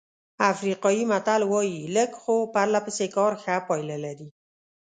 افریقایي متل وایي لږ خو پرله پسې کار ښه پایله لري.